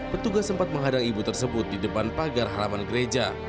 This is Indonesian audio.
petugas sempat menghadang ibu tersebut di depan pagar halaman gereja